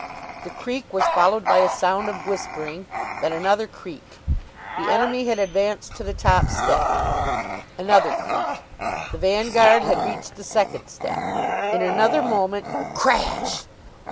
The creak was followed by a sound of whispering, then another creak. The enemy had advanced to the top step.... Another creak.... The vanguard had reached the second step.... In another moment CRASH!